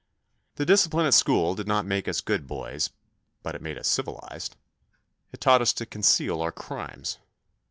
The discipline at school did not make us good boys, but it made us civilised ; it taught THE NEW BOY 63 us to conceal our crimes.